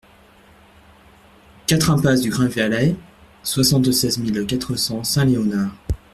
quatre impasse du Grainvallet, soixante-seize mille quatre cents Saint-Léonard